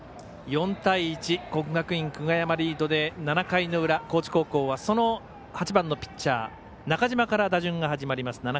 ４対１、国学院久我山リードで７回の裏、高知高校はその８番のピッチャー中嶋から打順が始まります。